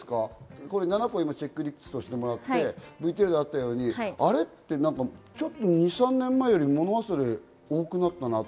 ７個、今チェックしてもらって、ＶＴＲであったように、あれって３年前よりもの忘れが多くなったなとか。